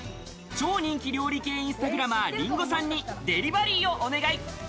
超人気料理系インスタグラマー、ｒｉｎｇｏさんにデリバリーをお願い。